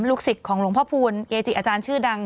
สิทธิ์ของหลวงพ่อพูลเกจิอาจารย์ชื่อดัง